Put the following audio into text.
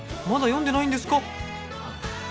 まだ読んでないんですか？